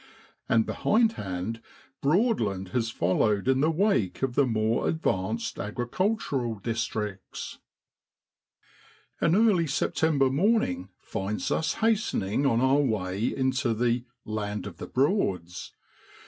And behindhand Broadland has followed in the wake of the more advanced agricultural districts. 88 SEPTEMBER IN BROADLAND. An early September morning finds us hastening on our way into the ' Land of the Broads.'